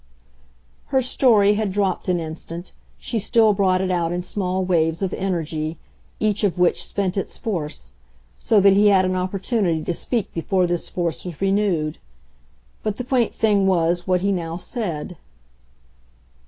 Her story had dropped an instant; she still brought it out in small waves of energy, each of which spent its force; so that he had an opportunity to speak before this force was renewed. But the quaint thing was what he now said.